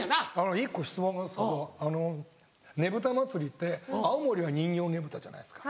１個質問なんですけどねぶた祭って青森は人形ねぶたじゃないですか。